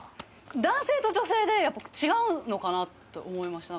男性と女性でやっぱ違うのかなと思いました。